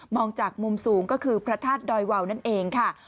จากมุมสูงก็คือพระธาตุดอยวาวนั่นเองค่ะ